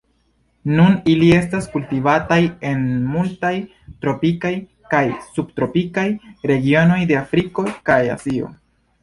Nun ili estas kultivataj en multaj tropikaj kaj subtropikaj regionoj de Afriko kaj Azio.